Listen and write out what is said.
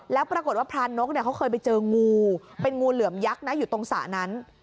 แล้วปรากฏว่าพรานกเขาเคยไปเจองูเป็นงูเหลือมยักษ์นะอยู่ตรงสระนั้น